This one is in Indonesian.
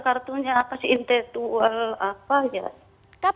wartunya apa sih intetual apa ya